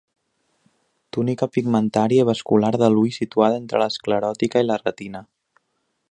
Túnica pigmentària i vascular de l'ull situada entre l'escleròtica i la retina.